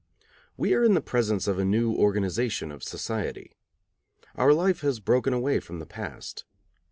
We are in the presence of a new organization of society. Our life has broken away from the past.